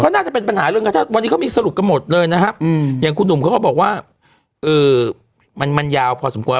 น่าจะเป็นปัญหาเรื่องกันถ้าวันนี้เขามีสรุปกันหมดเลยนะครับอย่างคุณหนุ่มเขาก็บอกว่ามันยาวพอสมควร